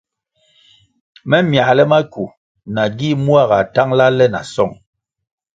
Me myale mackwu nagi mua gā tangʼla le na song.